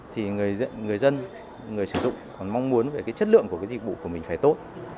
thì người dân người sử dụng còn mong muốn về cái chất lượng của cái dịch vụ của mình phải tốt